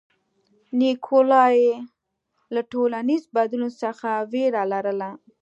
نیکولای له ټولنیز بدلون څخه وېره لرله.